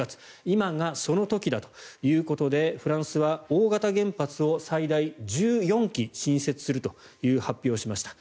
今がその時だということでフランスは大型原発を最大１４基新設するという発表をしました。